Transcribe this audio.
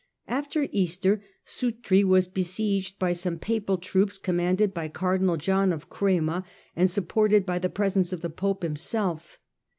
After Easter Sutri was besieged by some papal troops commanded by cardinal John of Crema, and supported Capture and ^7 *^® presence of the pope himself.